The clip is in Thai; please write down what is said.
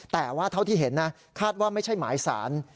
แต่ว่าเท่าที่เห็นนะคาดว่าไม่ใช่หมายสาร